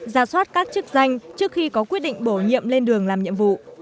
ra soát các chức danh trước khi có quyết định bổ nhiệm lên đường làm nhiệm vụ